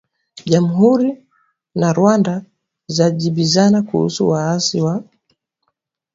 Jamhuri na Rwanda zajibizana kuhusu waasi wa